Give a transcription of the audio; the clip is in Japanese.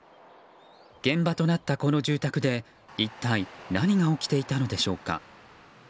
現場となったこの住宅で一体何が起きていたのでしょうか。